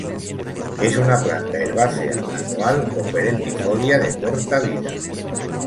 Es una planta herbácea anual o perennifolia de corta vida.